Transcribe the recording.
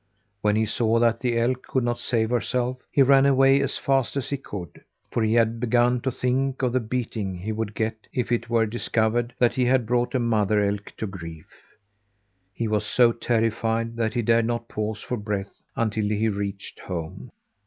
When he saw that the elk could not save herself, he ran away as fast as he could, for he had begun to think of the beating he would get if it were discovered that he had brought a mother elk to grief. He was so terrified that he dared not pause for breath until he reached home.